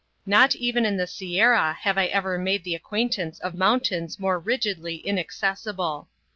Not even in the Sierra have I ever made the acquaintance of mountains more rigidly inaccessible.